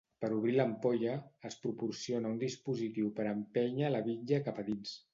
Per obrir l'ampolla, es proporciona un dispositiu per empènyer la bitlla cap a dins.